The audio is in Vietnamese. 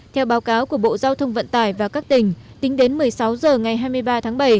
theo báo cáo của bộ giao thông vận tải và các tỉnh tính đến một mươi sáu h ngày hai mươi ba tháng bảy